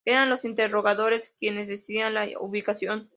Eran los interrogadores quienes decidían la ubicación.